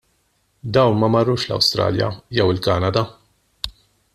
Dawn ma marrux l-Awstralja jew il-Kanada.